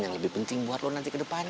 yang lebih penting buat lo nanti ke depan